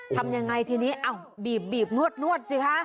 ทำยังไงทีนี้บีบนวดสิคะ